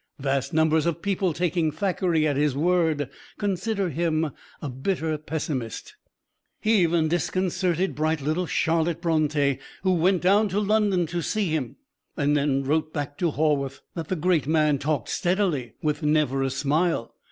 Vast numbers of people taking Thackeray at his word consider him a bitter pessimist. He even disconcerted bright little Charlotte Bronte, who went down to London to see him, and then wrote back to Haworth that "the great man talked steadily with never a smile.